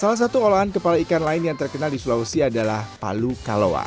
salah satu olahan kepala ikan lain yang terkenal di sulawesi adalah palu kalowa